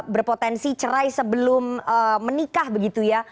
berpotensi cerai sebelum menikah begitu ya